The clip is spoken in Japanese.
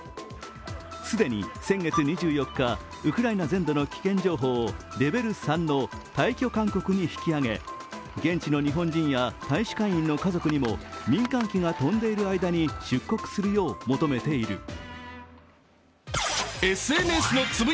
既に先月２４日、ウクライナ全土の危険情報をレベル３の退去勧告に引き上げ、現地の日本人や大使館員の家族にも、民間機が飛んでいる間に出国するよう求めている。